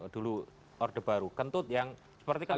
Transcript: dulu orde baru kentut yang seperti kentut